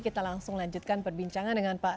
kita langsung lanjutkan perbincangan dengan pak